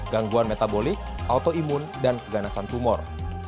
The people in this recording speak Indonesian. gangguan metabolik autoimun dan keganasan tumor